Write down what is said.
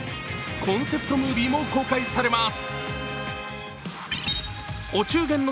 コンセプトムービーも公開されます。